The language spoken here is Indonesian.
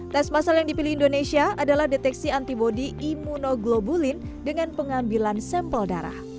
tes masal yang dipilih indonesia adalah deteksi antibody imunoglobulin dengan pengambilan sampel darah